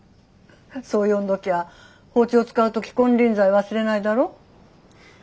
そう呼んどきゃ包丁使う時金輪際忘れないだろ。